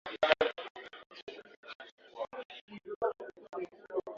Kitabu chenye jina lake kinapatikana katika Biblia ya Kikristo katika Agano la Kale.